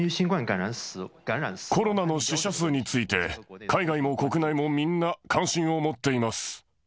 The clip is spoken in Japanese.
コロナの死者数について、海外も国内もみんな関心を持っています。